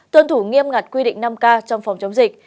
tuân thủ nghiêm ngặt quy định năm k trong phòng chống dịch